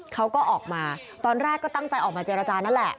เขาก็ออกมาตอนแรกก็ตั้งใจออกมาเจรจานั่นแหละ